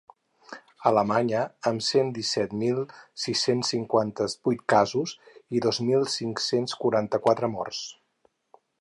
Alemanya, amb cent disset mil sis-cents cinquanta-vuit casos i dos mil cinc-cents quaranta-quatre morts.